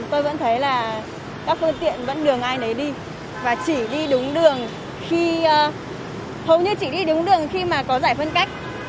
tôi vẫn thấy là các phương tiện vẫn đường ai đấy đi và chỉ đi đúng đường khi mà có giải phân cách